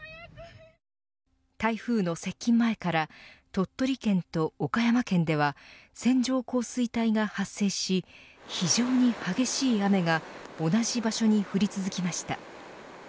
台風の接近前から鳥取県と岡山県では線状降水帯が発生し非常に激しい雨が同じ場所に降り続きました。